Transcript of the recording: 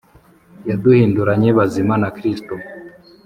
yaduhinduranye bazima na Kristo